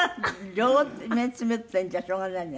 両目つぶってるんじゃしょうがないね。